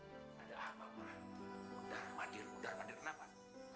jangan jangan telah terjadi sesuatu pada tati